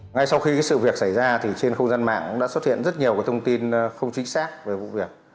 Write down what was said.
ngay sau khi sự việc xảy ra thì trên không gian mạng cũng đã xuất hiện rất nhiều thông tin không chính xác về vụ việc